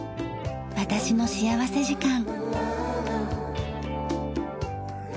『私の幸福時間』。